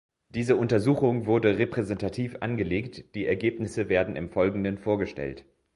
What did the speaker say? Diese Untersuchung wurde repräsentativ angelegt, die Ergebnisse werden im Folgenden vorgestellt.